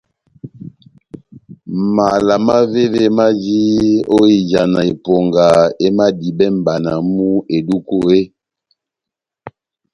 Mala mavéve maji ó ijana eponga emadibɛ mʼbana mú eduku eeeh ?